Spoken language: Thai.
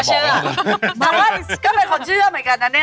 ไม่ก็เป็นคนเชื่อเหมือนกันนะเนี่ย